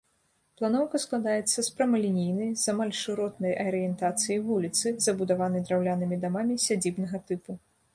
Планоўка складаецца з прамалінейнай, з амаль шыротнай арыентацыі вуліцы, забудаванай драўлянымі дамамі сядзібнага тыпу.